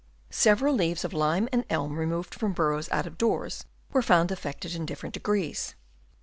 Several leaves of lime and elm removed from burrows out of doors were found affected in different degrees.